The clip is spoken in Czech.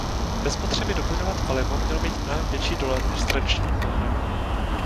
Bez potřeby doplňovat palivo mělo mít mnohem větší dolet než s tradičním pohonem.